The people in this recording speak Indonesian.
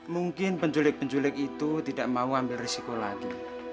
mungkin penjulik penjulik itu tidak mau ambil risiko lagi